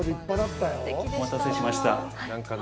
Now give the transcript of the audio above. お待たせしました。